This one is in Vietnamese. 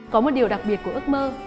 có một điều đặc biệt của ước mơ